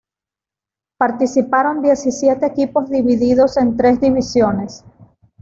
Participaron diecisiete equipos divididos en tres divisiones.